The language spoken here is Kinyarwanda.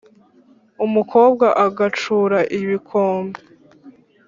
Umukobwa agacura ibikombe